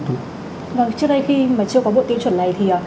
trước đây khi mà chưa có bộ tiêu chuẩn này thì